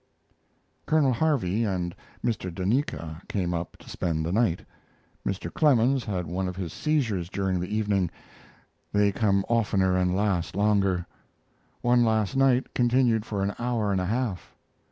Colonel Harvey and Mr. Duneka came up to spend the night. Mr. Clemens had one of his seizures during the evening. They come oftener and last longer. One last night continued for an hour and a half.